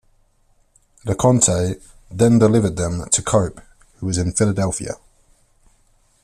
LeConte then delivered them to Cope, who was in Philadelphia.